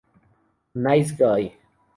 Nice Guy".